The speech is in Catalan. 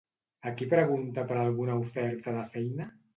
A qui pregunta per alguna oferta de feina?